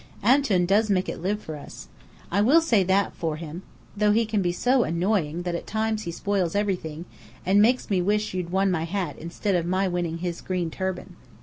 Antoun does make it live for us! I will say that for him, though he can be so annoying that at times he spoils everything, and makes me wish you'd won my hat instead of my winning his green turban.